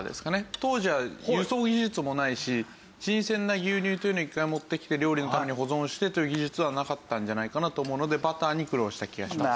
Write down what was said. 当時は輸送技術もないし新鮮な牛乳というのを一回持ってきて料理のために保存してという技術はなかったんじゃないかなと思うのでバターに苦労した気がします。